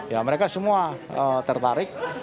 ya mereka semua tertarik